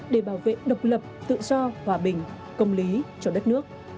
để bảo vệ độc lập tự do hòa bình công lý cho đất nước